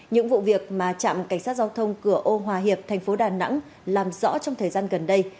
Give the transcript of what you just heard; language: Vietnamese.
những vụ việc mà trạm cảnh sát giao thông cửa ô hòa hiệp thành phố đà nẵng làm rõ trong thời gian gần đây